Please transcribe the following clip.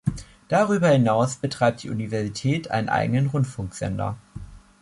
Darüber hinaus betreibt die Universität einen eigenen Rundfunksender.